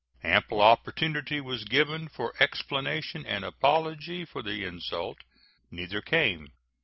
Ample opportunity was given for explanation and apology for the insult. Neither came.